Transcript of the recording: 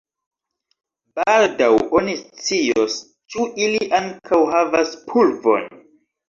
Baldaŭ oni scios, ĉu ili ankaŭ havas pulvon.